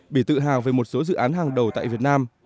bỉ tự hào về một số dự án hàng đầu tại việt nam